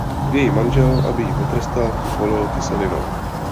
Její manžel, aby ji potrestal, ji polil kyselinou.